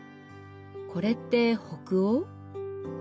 これって北欧？